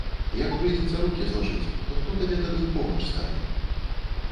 Як прыйдзецца рукі злажыць, то хто табе тады ў помач стане?